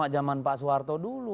zaman pak suharto dulu